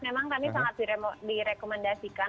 memang tadi sangat direkomendasikan